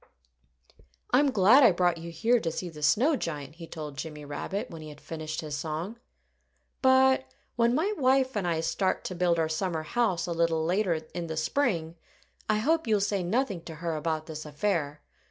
"I'm glad I brought you here to see the snow giant," he told Jimmy Rabbit, when he had finished his song. "But when my wife and I start to build our summer house a little later in the spring, I hope you'll say nothing to her about this affair.